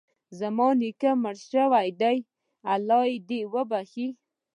زما نیکه مړ شوی ده، الله ج د وبښي